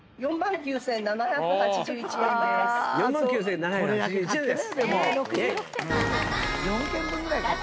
４万９，７８１円です。